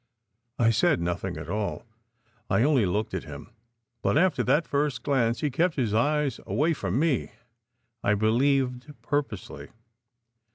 I said nothing at all. I only looked at him. But after that first glance he kept his eyes away from me, I believed purposely.